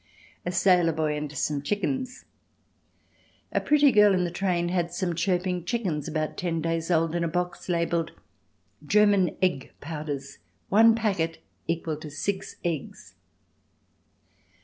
A Sailor Boy and Some Chickens A pretty girl in the train had some chirping chickens about ten days' old in a box labelled "German egg powders. One packet equal to six eggs."